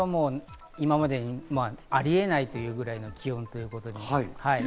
今までにあり得ないというぐらいの気温です。